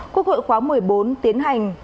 quốc hội khóa một mươi bốn tiến hành